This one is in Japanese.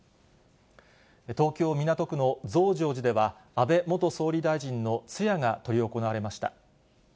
東京・港区の増上寺では安倍元総理大臣の通夜が執り行われました。